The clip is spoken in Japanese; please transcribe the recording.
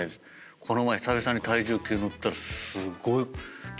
この前久々に体重計乗ったらすごい。